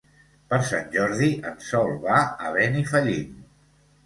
Per Sant Jordi en Sol va a Benifallim.